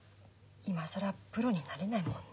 今更プロになれないもんね。